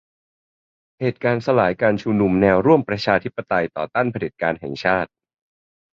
เหตุการณ์สลายการชุมนุมแนวร่วมประชาธิปไตยต่อต้านเผด็จการแห่งชาติ